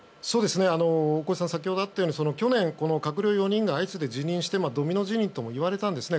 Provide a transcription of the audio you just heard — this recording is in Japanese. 大越さんから先ほどあったように去年閣僚４人が相次いで辞任してドミノ辞任といわれたんですね。